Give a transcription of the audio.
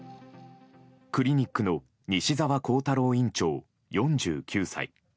クリニックの西澤弘太郎院長、４９歳。